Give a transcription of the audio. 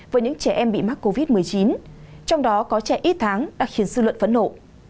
với những trẻ em bị mắc covid một mươi chín trong đó có trẻ ít tháng đã khiến dư luận phẫn nộ